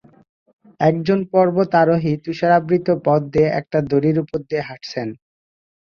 একজন পর্বতারোহী তুষারাবৃত পথ দিয়ে একটা দড়ির ওপর দিয়ে হাঁটছেন।